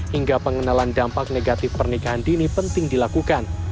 hingga pengenalan dampak negatif pernikahan dini penting dilakukan